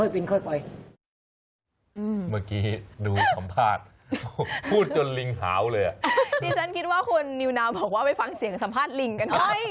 มันบอกว่าไปฟังเสียงสัมภาษณ์ลิงกันค่ะ